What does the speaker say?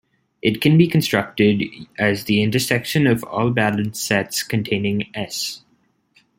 It can be constructed as the intersection of all balanced sets containing "S".